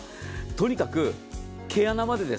とにかく毛穴まで。